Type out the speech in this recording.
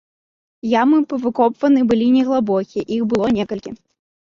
Ямы павыкопваны былі неглыбокія, іх было некалькі.